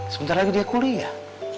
sebentar lagi dia kuliah